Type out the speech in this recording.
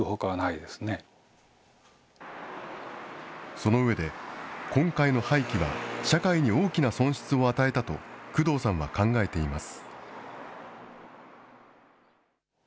その上で、今回の廃棄は社会に大きな損失を与えたと、工藤さんは考えています。